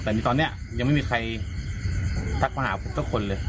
แต่ตอนนี้ยังไม่มีใครทักมาหาพวกเจ้าคนเลย